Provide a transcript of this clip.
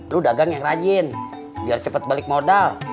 lo dagang yang rajin biar cepet balik modal